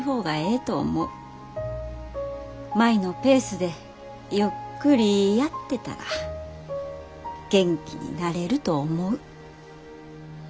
舞のペースでゆっくりやってたら元気になれると思う。